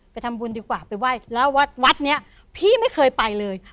ไปทำบุญดีกว่าไปไหว้แล้ววัดวัดนี้พี่ไม่เคยไปเลย